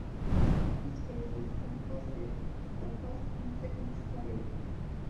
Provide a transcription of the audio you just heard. The base is composed of the first and second stories.